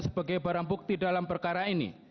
sebagai barang bukti dalam perkara ini